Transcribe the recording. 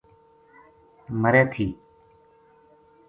مرے تھی